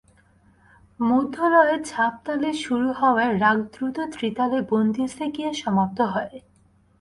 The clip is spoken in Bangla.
মধ্যলয়ে ঝাপতালে শুরু হওয়ায় রাগ দ্রুত ত্রিতালে বন্দিসে গিয়ে সমাপ্ত হয়।